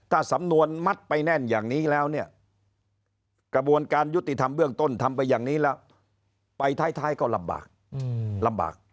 ถ้าสำนวนมัดไปแน่นอย่างนี้แล้วเนี่ยกระบวนการยุติธรรมเบื้องต้นทำไปอย่างนี้แล้วไปท้ายก็ลำบากลำบาก